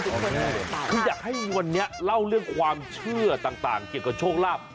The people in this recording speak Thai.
คืออยากให้วันนี้เล่าเรื่องความเชื่อต่างเกี่ยวกับโชคลาภ